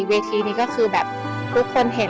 เวทีนี้ก็คือแบบทุกคนเห็น